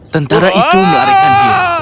tentara itu melarikan dia